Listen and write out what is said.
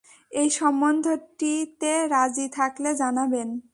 এই সম্বন্ধটি তে রাজি থাকলে জানাবেন।